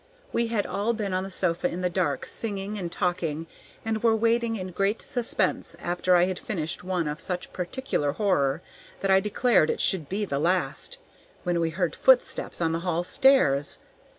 We had all been on the sofa in the dark, singing and talking, and were waiting in great suspense after I had finished one of such particular horror that I declared it should be the last, when we heard footsteps on the hall stairs.